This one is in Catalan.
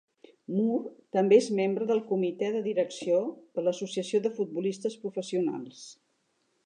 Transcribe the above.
Moore també és membre del comitè de direcció de l'Associació de Futbolistes Professionals.